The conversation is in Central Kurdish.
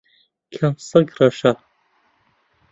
کام سەگ ڕەشە؟